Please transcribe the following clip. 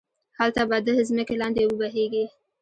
هلته به ده ځمکی لاندی اوبه بهيږي